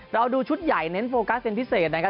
เราดูชุดใหญ่เน้นโฟกัสเป็นพิเศษนะครับ